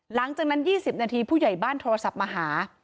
หลังจากนั้น๒๐นาทีผู้ใหญ่บ้านโทรศัพท์มาหา